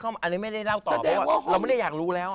อันนี้ไม่ได้เล่าต่อแสดงว่าเราไม่ได้อยากรู้แล้ว